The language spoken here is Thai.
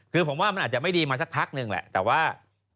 คือผมว่ามันอาจจะไม่ดีมาสักพักหนึ่งแหละแต่ว่า